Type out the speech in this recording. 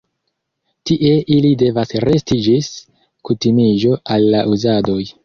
Tie ili devas resti ĝis kutimiĝo al la uzadoj.